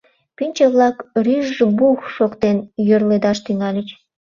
Пӱнчӧ-влак рӱж-ж-бух шоктен йӧрледаш тӱҥальыч.